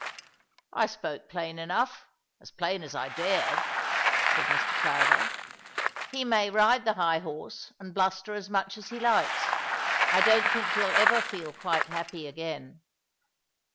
"I spoke plain enough — as plain as I dared," said Mr. Crowther. "lie may ride the high horse and bluster as much as he likes. I don't think he'll ever feel quite happy again."